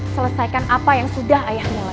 selesaikan apa yang sudah ayah mulai